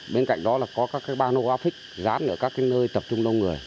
bên cạnh đó là có các ban hô góp phích dán ở các nơi tập trung lông người